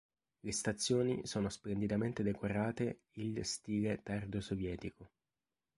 Le stazioni sono splendidamente decorate il stile tardo-sovietico.